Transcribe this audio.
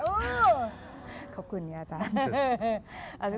โอ้โหขอบคุณเนี่ยอาจารย์